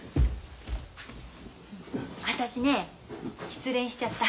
私ね失恋しちゃった。